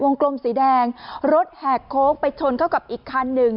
กลมสีแดงรถแหกโค้งไปชนเข้ากับอีกคันหนึ่ง